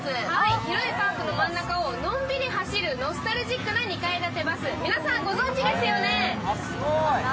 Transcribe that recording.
広いパークの真ん中をのんびり走るノスタルジックな２階建てバス、皆さん、ご存じですよね？